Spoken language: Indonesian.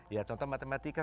ya contoh matematika